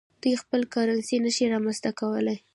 دوی خپل کرنسي نشي رامنځته کولای.